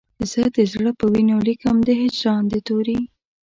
زه د زړه په وینو لیکم د هجران د توري